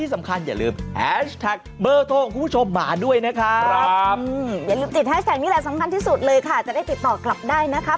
สำคัญที่สุดเลยค่ะจะได้ติดต่อกลับได้นะครับ